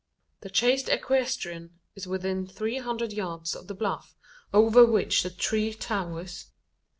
The chased equestrian is within three hundred yards of the bluff, over which the tree towers.